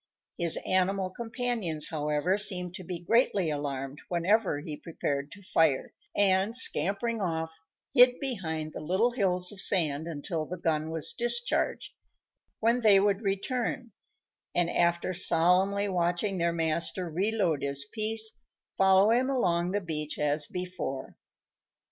His animal companions, however, seemed to be greatly alarmed whenever he prepared to fire; and, scampering off, hid behind the little hills of sand until the gun was discharged, when they would return, and, after solemnly watching their master reload his piece, follow him along the beach as before.